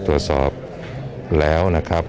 ตรวจสอบแล้วนะครับ